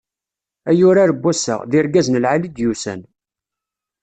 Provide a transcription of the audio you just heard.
Ay urar n wass-a, d irgazen lɛali i d-yusan.